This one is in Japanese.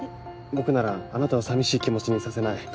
僕ならあなたを寂しい気持ちにさせない。